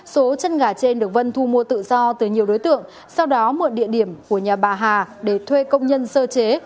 số chân gà trên được vân thu mua tự do từ nhiều đối tượng sau đó một địa điểm của nhà bà hà để thuê công nhân sơ chế